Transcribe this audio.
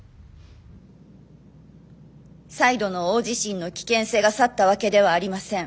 再度の大地震の危険性が去ったわけではありません。